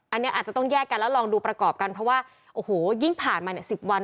อันนี้อาจจะต้องแยกกันแล้วลองดูประกอบกันเพราะว่าโอ้โหยิ่งผ่านมาเนี่ย๑๐วัน